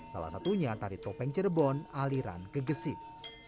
salah satunya tari topeng cirebon aliran gegesik